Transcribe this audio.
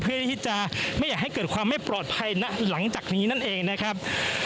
เพื่อที่จะไม่อยากให้เกิดความไม่ปลอดภัยหลังจากนี้นั่นเองนะครับ